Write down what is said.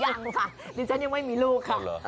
ยังค่ะดิฉันยังไม่มีลูกค่ะ